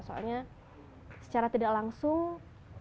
soalnya secara tidak langsung